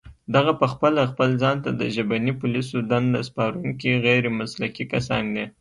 دغه پخپله خپل ځان ته د ژبني پوليسو دنده سپارونکي غير مسلکي کسان دي